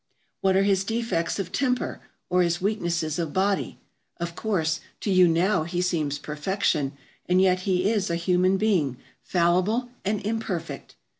What are his defects of temper, or his weaknesses of body? Of course, to you now he seems perfection, and yet he is a human being, fallible and imperfect.